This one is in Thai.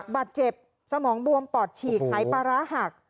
บาดเจ็บสมองบวมปอดฉีกหายปลาร้าหัก